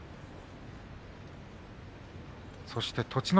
そして栃ノ